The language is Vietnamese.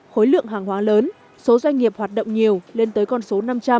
khối lượng hàng hóa lớn số doanh nghiệp hoạt động nhiều lên tới con số năm trăm linh